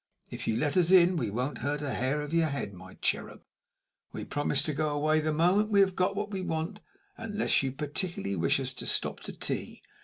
If you let us in we won't hurt a hair of your head, my cherub, and we promise to go away the moment we have got what we want, unless you particularly wish us to stop to tea.